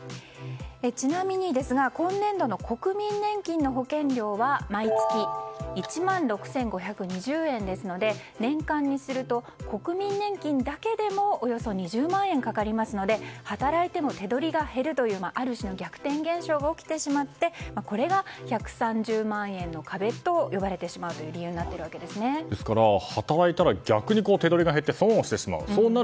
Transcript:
ちなみにですが今年度の国民年金の保険料は毎月１万６５２０円ですので年間にすると国民年金だけでもおよそ２０万円かかりますので働いても手取りが減るというある種の逆転現象が起きてしまって、これが１３０万円の壁と呼ばれてしまう働いたら逆に手取りが減って損をしてしまう。